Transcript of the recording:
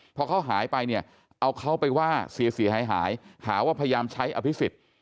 พอเขาหายไปเนี่ยเอาเขาไปว่าเสียหายหายหาว่าพยายามใช้อภิษฎ